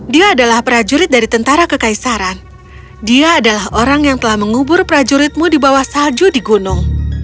dia adalah prajurit dari tentara kekaisaran dia adalah orang yang telah mengubur prajuritmu di bawah salju di gunung